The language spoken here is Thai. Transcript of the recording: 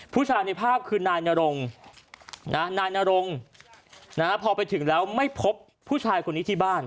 ผู้ชายในภาพคือนายนรงนายนรงพอไปถึงแล้วไม่พบผู้ชายคนนี้ที่บ้าน